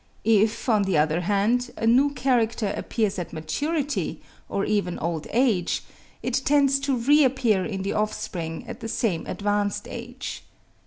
If, on the other hand, a new character appears at maturity, or even during old age, it tends to reappear in the offspring at the same advanced age.